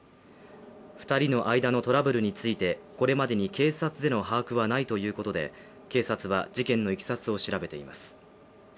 ２人の間のトラブルについてこれまでに警察での把握はないということで警察は事件のいきさつを調べています。